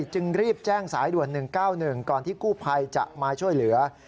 จึงรีบแจ้งสายด่วน๑๙๑ก่อนที่กู้ภัยจะมาช่วยเหลือ